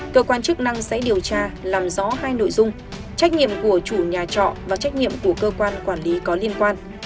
cơ quan chức năng sẽ điều tra làm rõ hai nội dung trách nhiệm của chủ nhà trọ và trách nhiệm của cơ quan quản lý có liên quan